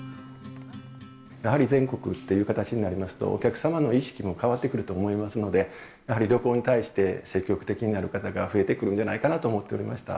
やはり全国っていう形になりますと、お客様の意識も変わってくると思いますので、やはり旅行に対して積極的になる方が増えてくるんじゃないかと思っておりました。